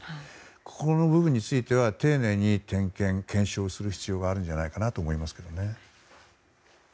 この部分については丁寧に点検・検証する必要があるんじゃないかと思います。